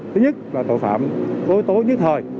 thứ nhất là tội phạm có yếu tố nhất thời